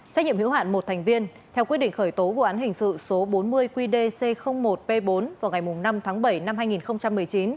trách nhiệm hữu hạn một thành viên theo quyết định khởi tố vụ án hình sự số bốn mươi qdc một p bốn vào ngày năm tháng bảy năm hai nghìn một mươi chín